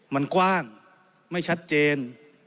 มันกว้างไม่ชัดเจน